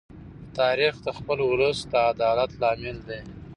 تاریخ د خپل ولس د عدالت لامل دی.